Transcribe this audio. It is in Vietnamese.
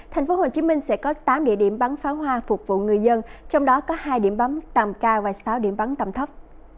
thành phố hồ chí minh sẽ có tám địa điểm bắn phá hoa phục vụ người dân trong đó có hai địa điểm bắn tầm cao và sáu địa điểm bắn tầm thấp